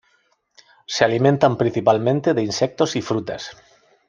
Se alimentan principalmente de insectos y frutas.